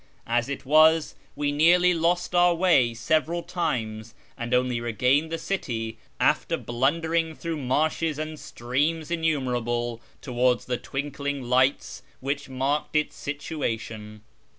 As it was, we nearly lost our way several times, and only regained the city after blundering through marshes and streams innumerable towards the twinklino' liohts which marked its situation.